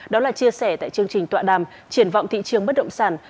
đó là chia sẻ tại chương trình tọa đàm triển vọng thị trường bất động sản